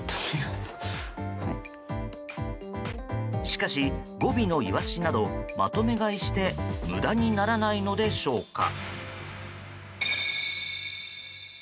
しかし、５尾のイワシなどまとめ買いして無駄にならないのでしょうか？